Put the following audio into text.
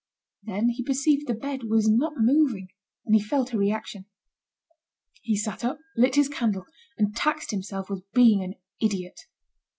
Then, he perceived the bed was not moving, and he felt a reaction. He sat up, lit his candle, and taxed himself with being an idiot.